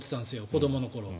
子どもの頃は。